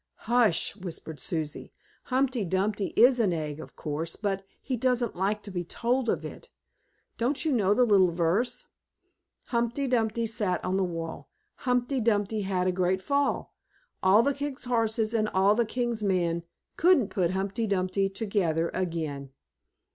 "Hush!" whispered Susie. "Humpty Dumpty is an egg, of course, but he doesn't like to be told of it. Don't you know the little verse? "'Humpty Dumpty sat on the wall, Humpty Dumpty had a great fall. All the King's horses and all the King's men Couldn't put Humpty Dumpty together again.'"